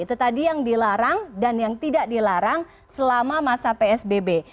itu tadi yang dilarang dan yang tidak dilarang selama masa psbb